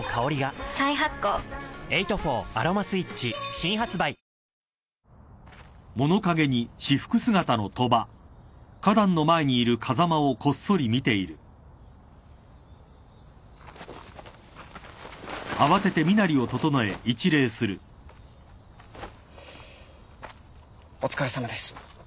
新発売お疲れさまです。